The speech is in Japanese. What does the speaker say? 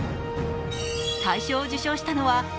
大賞を受賞したのはＨｅｙ！